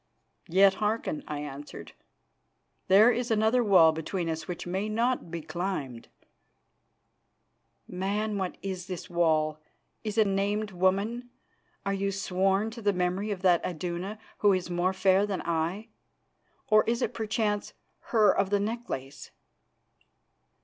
"Yet hearken," I answered. "There is another wall between us which may not be climbed." "Man, what is this wall? Is it named woman? Are you sworn to the memory of that Iduna, who is more fair than I? Or is it, perchance, her of the necklace?"